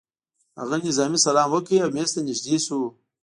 هغه نظامي سلام وکړ او مېز ته نږدې شو